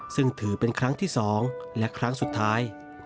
ซึ่งถือเป็นครั้งที่๒และครั้งสุดท้าย